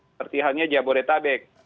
seperti halnya jabodetabek